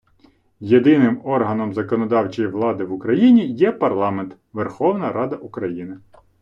Єдиним органом законодавчої влади в Україні є парламент - Верховна Рада України.